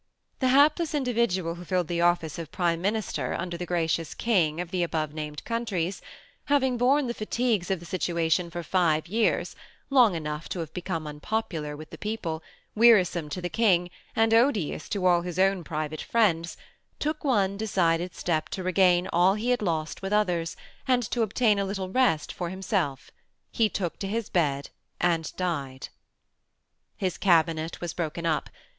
The hapless individual who filled the office of Prime Minister under the gracious King of the above named countries, having borne the fatigues of the situation for five years, long enough to have become unpopular with the people, wearisome to the King, and odious to all his own private friends, took one decided step to regain all he had lost with others, and to obtain a little rest for himself — he took to his bed and died. His cabinet was broken up.